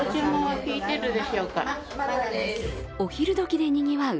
お昼時でにぎわう